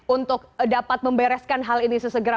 untuk dapat membereskan hal ini sesegera